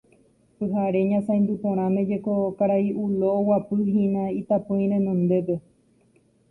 Pyhare ñasaindy porãme jeko karai Ulo oguapyhína itapỹi renondépe.